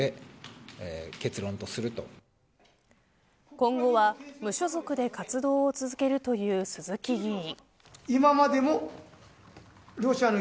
今後は無所属で活動を続けるという鈴木議員。